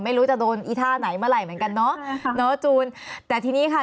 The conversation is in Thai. ไม่รู้จะโดนอีท่าไหนเมื่อไหร่เหมือนกันเนอะเนาะจูนแต่ทีนี้ค่ะ